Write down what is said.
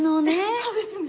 そうですね。